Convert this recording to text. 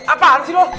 apaan sih lu